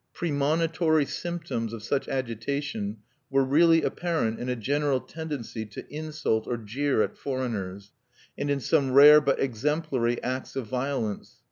Premonitory symptoms of such agitation were really apparent in a general tendency to insult or jeer at foreigners, and in some rare but exemplary acts of violence.